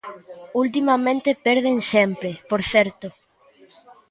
Ultimamente perden sempre, por certo.